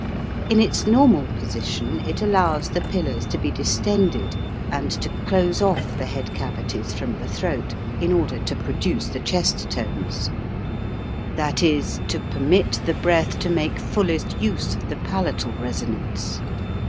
In its normal position it allows the pillars to be distended and to close off the head cavities from the throat, in order to produce the chest tones ; that is, to permit the breath to make fullest use of the palatal res onance.